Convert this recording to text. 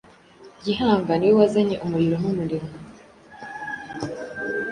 Gihanga niwe wazanye umuriro n’umurimo,